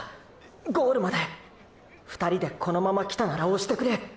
ゴールまで２人でこのまま来たなら押してくれ！